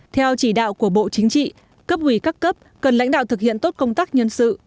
theo chỉ đạo của bộ chính trị cấp ủy các cấp cần lãnh đạo thực hiện tốt công tác nhân sự